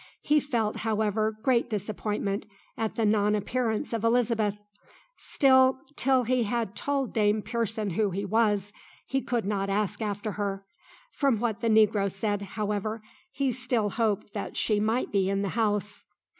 He felt however great disappointment at the non appearance of Elizabeth; still, till he had told Dame Pearson who he was, he could not ask after her. From what the negro said, however, he still hoped that she might be in the house.